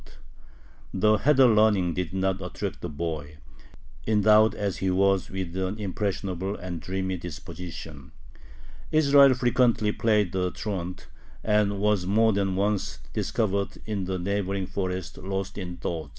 The heder learning did not attract the boy, endowed as he was with an impressionable and dreamy disposition. Israel frequently played the truant, and was more than once discovered in the neighboring forest lost in thought.